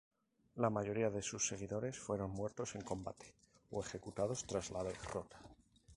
La mayoría de sus seguidores fueron muertos en combate o ejecutados tras la derrota.